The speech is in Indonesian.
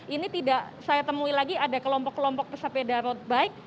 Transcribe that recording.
ini tidak saya temui lagi ada kelompok kelompok pesepeda road bike